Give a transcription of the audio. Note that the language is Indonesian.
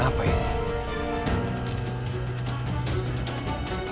aku harus cari situ